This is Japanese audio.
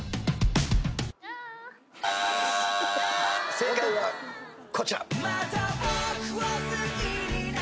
正解はこちら。